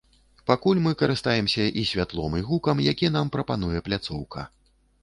Пакуль мы карыстаемся і святлом і гукам, які нам прапануе пляцоўка.